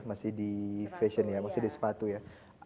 masih di fashion ya masih di sepatu ya